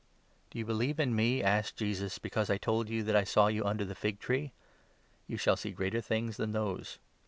Do you believe in me," asked Jesus, "because I told you 50 that I saw you under the fig tree? You shall see greater things than those!